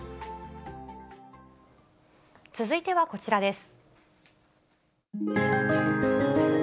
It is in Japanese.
続いてはこちらです。